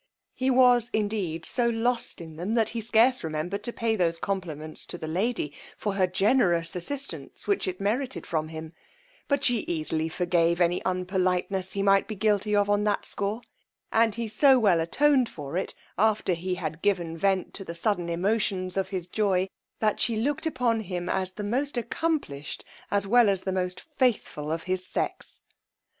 He was indeed so lost in them, that he scarce remembered to pay those compliments to the lady for her generous assistance which it merited from him; but she easily forgave any unpoliteness he might be guilty of on that score; and he so well attoned for it after he had given vent to the sudden emotions of his joy, that she looked, upon him as the most accomplished, as well as the most faithful of his sex.